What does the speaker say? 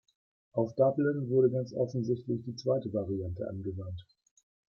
Auf Dublin wurde ganz offensichtlich die zweite Variante angewandt.